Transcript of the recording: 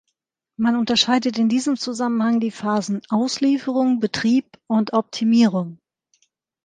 Man unterscheidet in diesem Zusammenhang die Phasen Auslieferung, Betrieb und „Optimierung“.